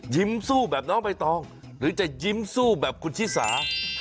ยิ้มสู้แบบน้องใบตองหรือจะยิ้มสู้แบบคุณชิสา